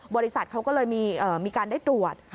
บริษัทเขาก็เลยมีการได้ตรวจ